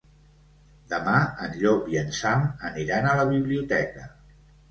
Demà en Llop i en Sam aniran a la biblioteca.